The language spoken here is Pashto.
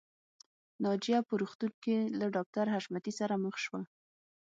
ناجیه په روغتون کې له ډاکټر حشمتي سره مخ شوه